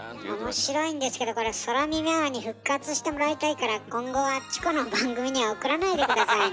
面白いんですけどこれ「空耳アワー」に復活してもらいたいから今後はチコの番組には送らないで下さいね。